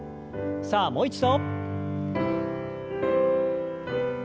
さあもう一度。